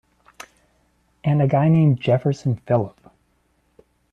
And a guy named Jefferson Phillip.